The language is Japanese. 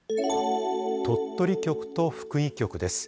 鳥取局と福井局です。